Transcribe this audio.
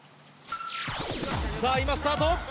さあ今スタート。